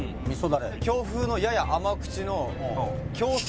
京風のやや甘口の京桜